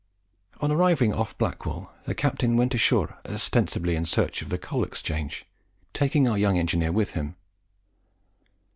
On arriving off Blackwall the captain went ashore ostensibly in search of the Coal Exchange, taking our young engineer with him.